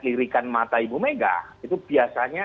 lirikan mata ibu mega itu biasanya